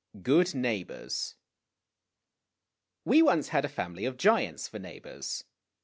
GOOD NEIGHBORS WE once had a family of giants for neighbors.